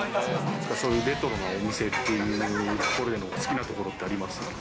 レトロなお店っていうところの好きなところってありますか？